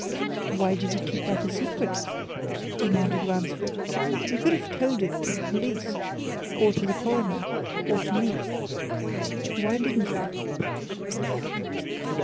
"Why did you keep that secret?" demanded Ransford. "You could have told it to the police or to the Coroner or to me. Why didn't you?"